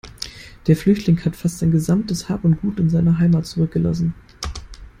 Der Flüchtling hat fast sein gesamtes Hab und Gut in seiner Heimat zurückgelassen.